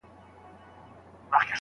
په حيض کي جماع کول منع دي.